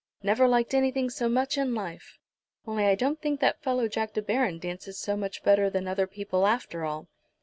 "Never liked anything so much in life; only I don't think that fellow Jack De Baron, dances so much better than other people, after all?"